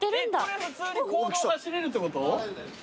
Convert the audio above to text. これ普通に公道走れるってこと？